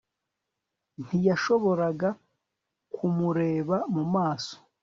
Ntiyashoboraga kumureba mu maso